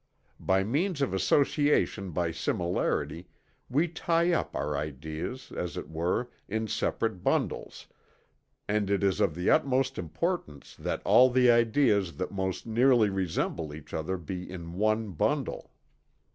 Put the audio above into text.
By means of association by similarity, we tie up our ideas, as it were, in separate bundles, and it is of the utmost importance that all the ideas that most nearly resemble each other be in one bundle."